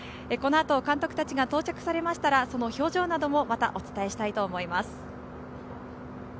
この後、監督たちが到着されましたらその表情などもまたお伝えしたいと思います。